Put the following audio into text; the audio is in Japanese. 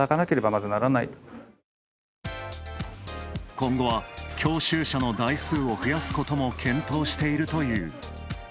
今後は教習車の台数を増やすことも検討しているという。